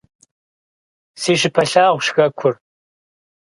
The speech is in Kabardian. Си щыпэ лъагъущ хэкур.